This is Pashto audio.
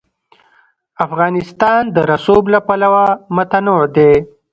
افغانستان د رسوب له پلوه متنوع دی.